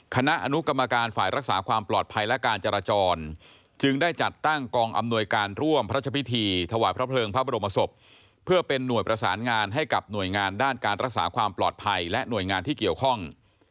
คณะอนุกรรมการฝ่ายรักษาความปลอดภัยและการจราจรจึงได้จัดตั้งกองอำนวยการร่วมพระราชพิธีถวายพระเพลิงพระบรมศพเพื่อเป็นหน่วยประสานงานให้กับหน่วยงานด้านการรักษาความปลอดภัยและหน่วยงานที่เกี่ยวข้อง